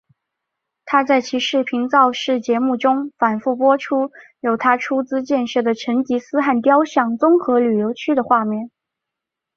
他在其视频造势节目中反复播放由他出资建设的成吉思汗雕像综合旅游区的画面。